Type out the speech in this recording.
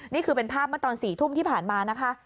นี่คือเป็นภาพเมื่อตอน๔ทุ่มที่ผ่านมานะคะ